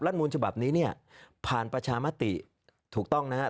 มูลฉบับนี้เนี่ยผ่านประชามติถูกต้องนะครับ